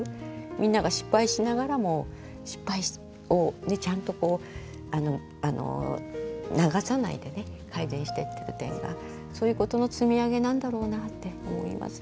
みんなが失敗しながらも失敗をちゃんと流さないでね改善していってる点がそういうことの積み上げなんだろうなって思います。